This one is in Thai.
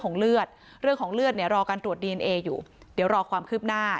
ของเลือดเรื่องของเลือดเนี่ยรอการตรวจดีเอนเออยู่เดี๋ยวรอความคืบหน้า